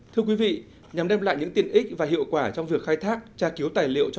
thưa quý vị nhằm đem lại những tiện ích và hiệu quả trong việc khai thác tra cứu tài liệu cho